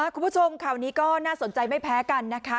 คุณผู้ชมข่าวนี้ก็น่าสนใจไม่แพ้กันนะคะ